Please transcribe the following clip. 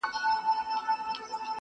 کلي مو وسوځیږي-